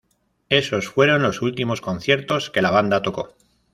Esos fueron los últimos conciertos que la banda tocó.